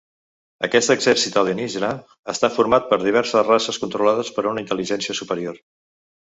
Aquest exèrcit alienígena està format per diverses races controlades per una intel·ligència superior.